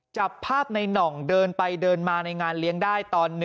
จับภาพในน่องเดินไปเดินมาในงานเลี้ยงได้ตอน๑